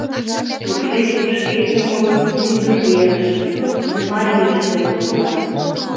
Тушеч шке кумылын мӱндыр верыш — Нольмарийыш толын пура.